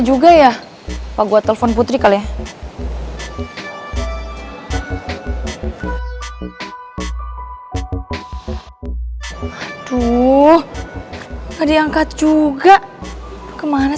juga ya pak gua telepon putri kali ya aduh tadi angkat juga kemana